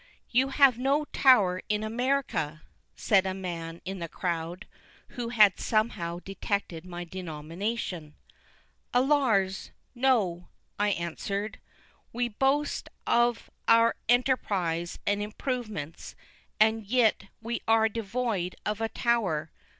"You have no Tower in America?" said a man in the crowd, who had somehow detected my denomination. "Alars! no," I ansered; "we boste of our enterprise and improovements, and yit we are devoid of a Tower.